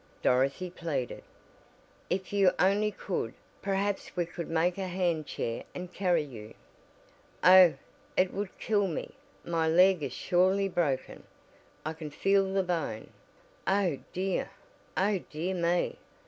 Dorothy pleaded, "If you only could, perhaps we could make a hand chair and carry you." "Oh, it would kill me. My leg is surely broken. I can feel the bone. Oh, dear! Oh dear me!